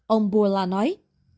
ông bourla nói